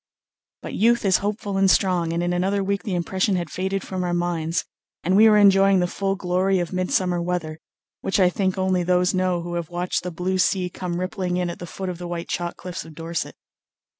But youth is hopeful and strong, and in another week the impression had faded from our minds, and we were enjoying the full glory of midsummer weather, which I think only those know who have watched the blue sea come rippling in at the foot of the white chalk cliffs of Dorset.